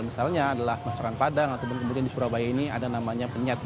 misalnya adalah masakan padang ataupun kemudian di surabaya ini ada namanya penyat